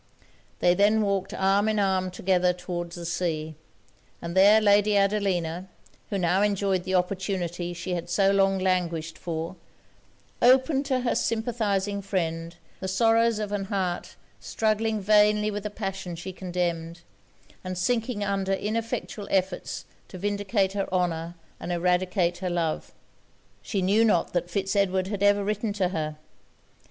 They then walked arm in arm together towards the sea; and there Lady Adelina, who now enjoyed the opportunity she had so long languished for, opened to her sympathizing friend the sorrows of an heart struggling vainly with a passion she condemned, and sinking under ineffectual efforts to vindicate her honour and eradicate her love. She knew not that Fitz Edward had ever written to her.